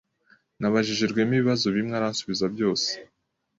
Nabajije Rwema ibibazo bimwe aransubiza byose.